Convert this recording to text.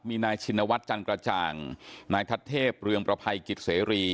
มีนายชินวัฒน์จันกระจ่างนายทัศเทพเรืองประภัยกิจเสรี